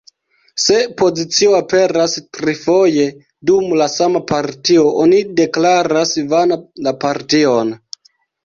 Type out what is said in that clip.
Se pozicio aperas trifoje dum la sama partio, oni deklaras vana la partion.